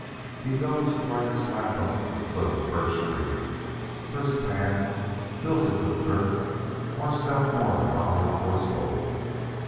He goes right slap up to the foot of a birch tree, first pan, fills it with dirt, and washes out more'n a dollar coarse gold.